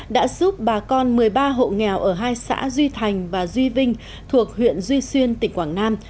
đã giúp bà con một mươi ba hộ nghèo ở hai xã duy thành và duy vinh thuộc huyện duy xuyên tỉnh quảng nam